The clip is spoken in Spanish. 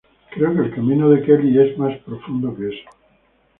Creo que el camino de Kelly más profundo que eso".